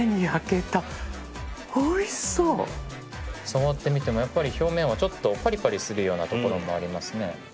触ってみてもやっぱり表面はちょっとパリパリするようなところもありますね。